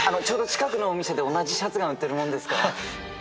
ちょうど近くのお店で同じシャツが売ってるもんですから。